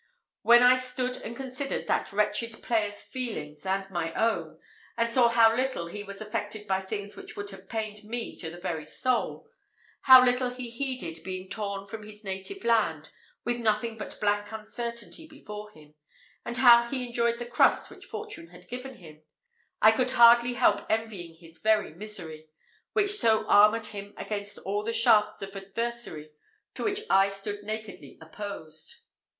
When I stood and considered that wretched player's feelings and my own, and saw how little he was affected by things which would have pained me to the very soul how little he heeded being torn from his native land, with nothing but blank uncertainty before him and how he enjoyed the crust which fortune had given him I could hardly help envying his very misery, which so armoured him against all the shafts of adversity to which I stood nakedly opposed.